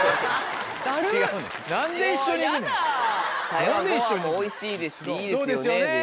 「台湾ご飯もおいしいですしいいですよね」で。